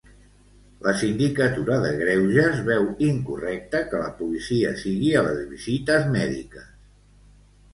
La Sindicatura de Greuges veu incorrecte que la policia sigui a les visites mèdiques.